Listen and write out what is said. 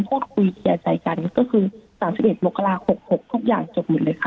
พูดคุยเคลียร์ใจกันก็คือ๓๑มกรา๖๖ทุกอย่างจบหมดเลยค่ะ